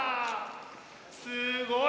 すごい！